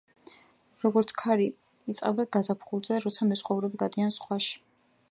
როგორც ქარი, იწყება გაზაფხულზე, როცა მეზღვაურები გადიან ზღვაში.